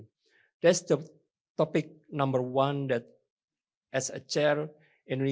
itu adalah topik nomor satu yang akan diberikan oleh indonesia sebagai pertama pertama